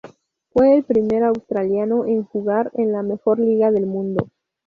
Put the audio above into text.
Fue el primer australiano en jugar en la mejor liga del mundo.